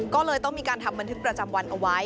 ก็เลยต้องมีการทำบันทึกประจำวันเอาไว้